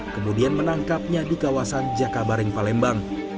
kemudian menangkapnya di kawasan jakabaring palembang